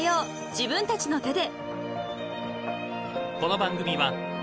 自分たちの手で］